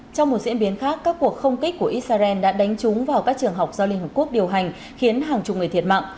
trong một diễn biến khác các cuộc không kích của israel đã đánh trúng vào các trường học do liên hợp quốc điều hành khiến hàng chục người thiệt mạng